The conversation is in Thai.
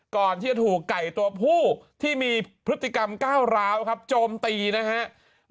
ก่อนที่จะถูกไก่ตัวผู้ที่มีพฤติกรรมก้าวร้าวครับโจมตีนะครับ